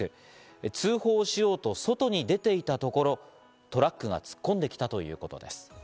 通報しようと外に出ていたところ、トラックが突っ込んできたということです。